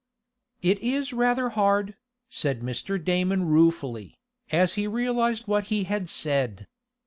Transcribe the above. "It is rather hard," said Mr. Damon ruefully, as he realized what he had said.